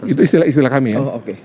itu istilah kami ya